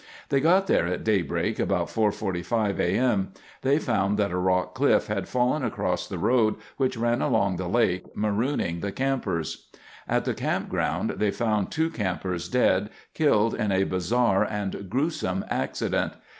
They got there at daybreak, about 4:45 A. M. They found that a rock cliff had fallen across the road which ran along the lake, marooning the campers. At the campground they found two campers dead, killed in a bizarre and gruesome accident.